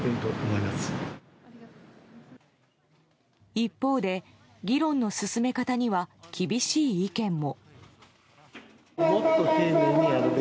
一方で、議論の進め方には厳しい意見も。